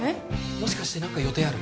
もしかして何か予定ある？